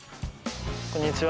こんにちは。